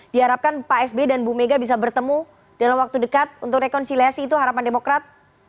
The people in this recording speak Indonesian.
diharapkan pak sb dan bu mega bisa bertemu dalam waktu dekat untuk rekonsiliasi itu harapan demokrat